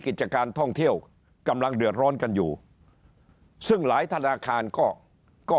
กิจการท่องเที่ยวกำลังเดือดร้อนกันอยู่ซึ่งหลายธนาคารก็ก็